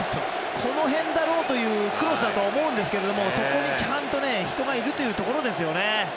この辺だろうというクロスだと思いますけどそこにちゃんと人がいるというところですよね。